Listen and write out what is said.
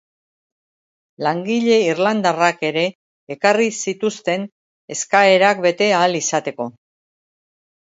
Langile irlandarrak ere ekarri zituzten eskaerak bete ahal izateko.